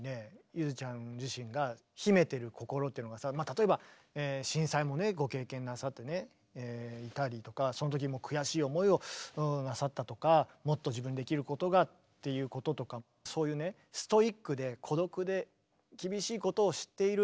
例えば震災もねご経験なさっていたりとかそのときも悔しい思いをなさったとかもっと自分にできることがっていうこととかそういうねストイックで孤独で厳しいことを知っている。